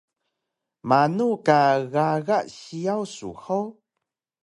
Manu ka gaga siyaw su hug?